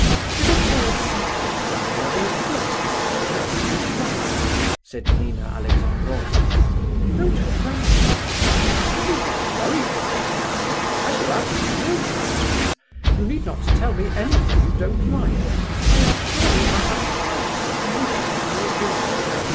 "If it's all settled, Gania, then of course Mr. Ptitsin is right," said Nina Alexandrovna. "Don't frown. You need not worry yourself, Gania; I shall ask you no questions. You need not tell me anything you don't like. I assure you I have quite submitted to your will."